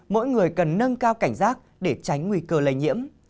mỗi người cần nâng cao cảnh giác để tránh nguy cơ lây nhiễm